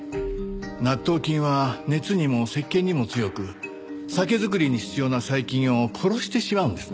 納豆菌は熱にもせっけんにも強く酒造りに必要な細菌を殺してしまうんですな。